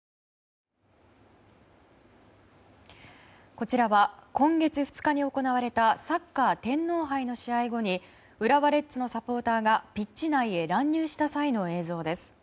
こちらは今月２日に行われたサッカー天皇杯の試合後に浦和レッズのサポーターがピッチ内へ乱入した際の映像です。